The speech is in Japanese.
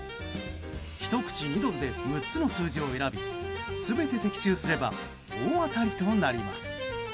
１口２ドルで６つの数字を選び全て的中すれば大当たりとなります。